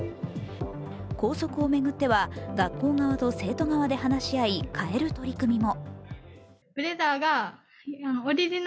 校則を巡っては、学校側と生徒側で話し合い変える取り組みも。